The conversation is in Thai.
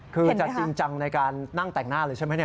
คือจัดจริงจังในการนั่นแต่งหน้าเลยใช่ไหม